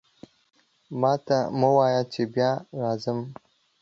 ماته مه وایه چې بیا راځم.